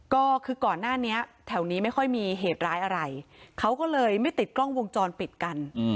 ก็คือก่อนหน้านี้แถวนี้ไม่ค่อยมีเหตุร้ายอะไรเขาก็เลยไม่ติดกล้องวงจรปิดกัน